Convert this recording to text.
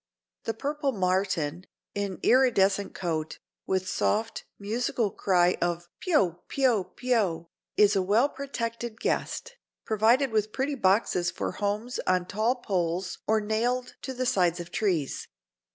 The purple martin, in iridescent coat, with soft, musical cry of "Peuo peuo peuo," is a well protected guest, provided with pretty boxes for homes on tall poles or nailed to the sides of trees.